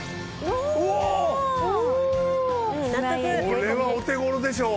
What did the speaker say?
これはお手頃でしょ。